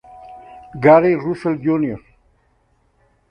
Gary Russell Jr.